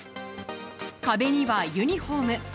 壁にはユニホーム。